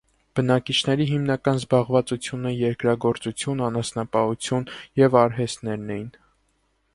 Բնակիչների հիմնական զբաղվածությունը երկրագործություն, անասնապահություն և արհեստներն էին։